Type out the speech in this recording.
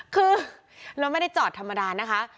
คือเราไม่ได้จอดธรรมดานะคะ